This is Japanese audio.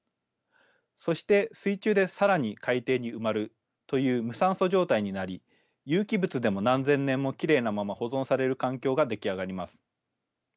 そして水中で更に海底に埋まるという無酸素状態になり有機物でも何千年もきれいなまま保存される環境が出来上がります。